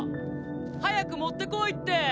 早く持って来いって。